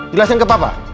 jelasin ke papa